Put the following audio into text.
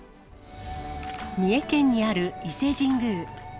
三重県にある伊勢神宮。